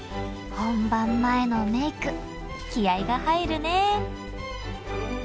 本番前のメイク気合いが入るね。